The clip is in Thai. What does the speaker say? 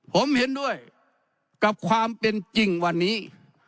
ผมเห็นด้วยกับความเป็นจริงวันนี้